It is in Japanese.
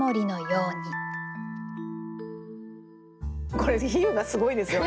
これ比喩がすごいですよね。